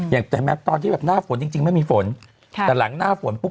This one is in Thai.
อย่างแต่แม้ตอนที่แบบหน้าฝนจริงจริงไม่มีฝนค่ะแต่หลังหน้าฝนปุ๊